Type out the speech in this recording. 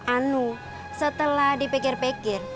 anu setelah dipikir pikir